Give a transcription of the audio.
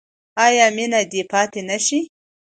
آیا مینه دې پاتې نشي؟